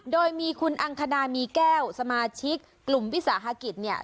โดยมีคุณอังคณามีแก้วสมาชิกกลุ่มวิสาหกิจเนี่ย